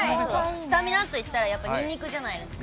スタミナといったら、ニンニクじゃないですか。